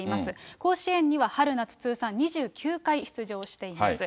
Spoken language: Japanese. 甲子園には春夏通算２９回出場しています。